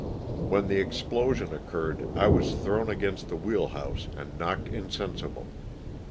When the explosion occurred I was thrown against the wheel house and knocked insensible.